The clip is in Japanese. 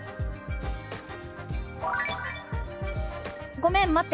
「ごめん待って。